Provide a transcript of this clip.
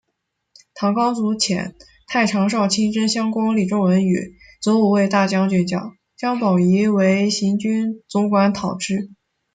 唐高祖遣太常少卿真乡公李仲文与左武卫大将军姜宝谊为行军总管讨之。